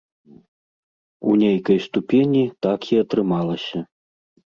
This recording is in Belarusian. У нейкай ступені так і атрымалася.